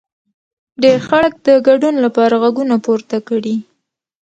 ډېر خلک د ګډون لپاره غږونه پورته کړي.